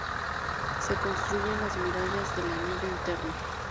Se construyen las murallas del anillo interno.